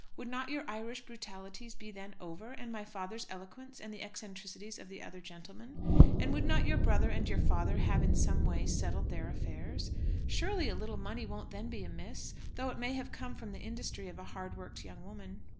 Would not your Irish brutalities be then over; and my father's eloquence, and the eccentricities of the other gentlemen? And would not your brother and your father have in some way settled their affairs? Surely a little money won't then be amiss, though it may have come from the industry of a hard worked young woman.